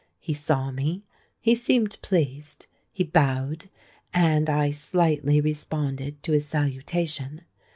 He saw me—he seemed pleased: he bowed—and I slightly responded to his salutation.